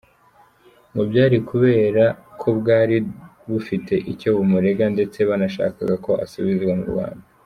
Ngo byari kubera ko bwari bufite icyo bumurega ndetse banashakaga ko asubizwa mu Rwanda.